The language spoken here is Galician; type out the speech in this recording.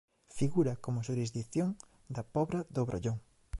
Figura como xurisdición da Pobra do Brollón.